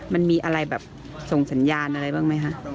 มันมีอะไรแบบส่งสัญญาณอะไรบ้างไหมคะ